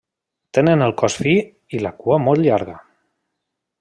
Tenen el cos fi i la cua molt llarga.